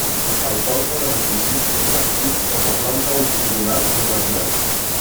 El cos de l'edifici és bastit sobre planta octogonal irregular.